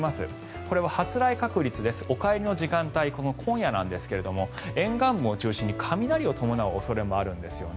これはお帰りの時間帯、今夜なんですが沿岸部を中心に雷を伴う恐れもあるんですよね。